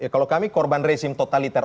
kalau kami korban rezim totaliter